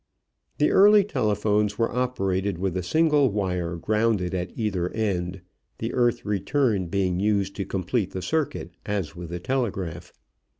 The early telephones were operated with a single wire grounded at either end, the earth return being used to complete the circuit as with the telegraph.